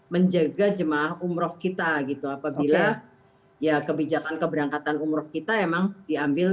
menjaga jemaah umroh kita gitu apabila ya kebijakan keberangkatan umroh kita emang diambil